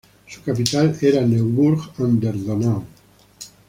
Su capital era Neuburg an der Donau.